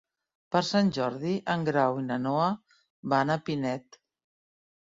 Per Sant Jordi en Grau i na Noa van a Pinet.